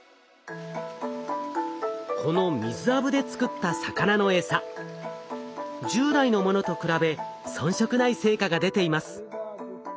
このミズアブで作った魚のエサ従来のものと比べ遜色ない成果が出ています。